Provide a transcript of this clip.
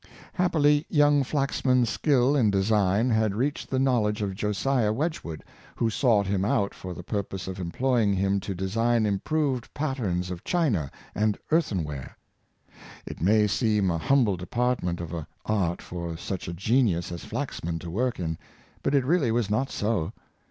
Happily, young Flaxman's skill in design had reached the knowledge of Josiah Wedgwood, who sought him out for the purpose of employing him to design im proved patterns of china and earthenware. It may seem a humble department of art for such a genius as Flaxman to work in; but it really was not so.